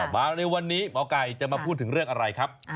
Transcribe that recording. มาในวันนี้หมอไก่จะมาพูดถึงเรื่องอะไรครับ